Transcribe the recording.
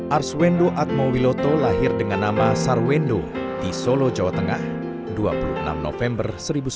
arswendo atmowiloto lahir dengan nama sarwendo di solo jawa tengah dua puluh enam november seribu sembilan ratus sembilan puluh